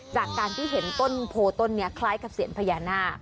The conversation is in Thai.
จากการที่เห็นต้นโพต้นนี้คล้ายกับเซียนพญานาค